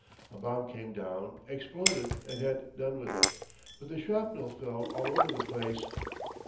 A bomb came down, exploded, and had done with it; but the shrapnel fell all over the place.